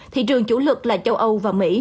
thị trường chủ lực là châu âu và mỹ